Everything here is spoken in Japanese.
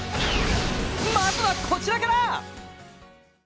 まずはこちらから！